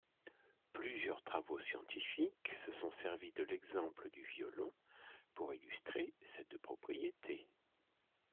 Plusieurs travaux scientifiques se sont servis de l'exemple du violon pour illustrer cette propriété.